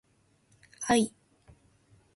愛